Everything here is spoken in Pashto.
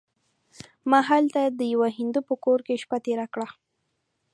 ما هلته د یوه هندو په کور کې شپه تېره کړه.